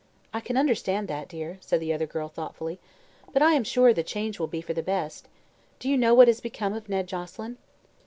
"I can understand that, dear," said the other girl, thoughtfully; "but I am sure the change will be for the best. Do you know what has, become of Ned Joselyn?"